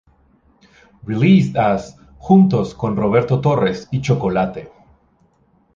Released as "Juntos Con Roberto Torres Y Chocolate".